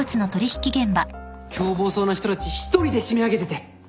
凶暴そうな人たち一人で締め上げてて。